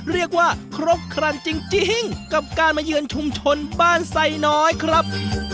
เรียกว่าครบครันจริงกับการมาเยือนชุมชนบ้านไซน้อยครับ